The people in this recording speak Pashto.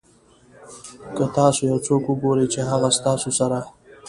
که تاسو یو څوک وګورئ چې هغه ستاسو سره.